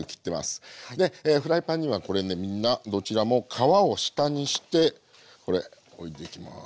でフライパンにはこれねみんなどちらも皮を下にしてこれ置いていきます。